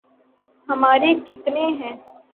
ہمارے کتنے ہیں۔